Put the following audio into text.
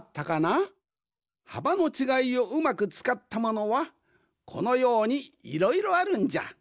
はばのちがいをうまくつかったものはこのようにいろいろあるんじゃ。